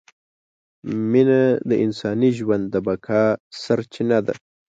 مینه د انساني ژوند د بقاء سرچینه ده!